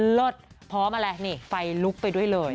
เลิศพร้อมอะไรนี่ไฟลุกไปด้วยเลย